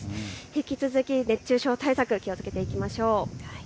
引き続き熱中症対策気をつけていきましょう。